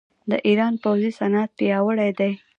د ایران پوځي صنعت پیاوړی دی.